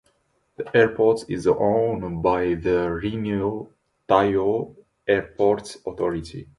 The airport is owned by the Reno Tahoe Airport Authority.